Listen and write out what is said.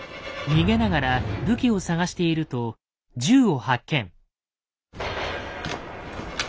逃げながら武器を探していると銃を発見。